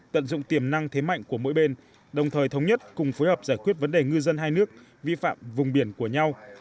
tận dụng tiềm năng thế mạnh của mỗi bên đồng thời thống nhất cùng phối hợp giải quyết vấn đề ngư dân hai nước vi phạm vùng biển của nhau